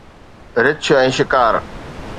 رڇ ۽ شڪار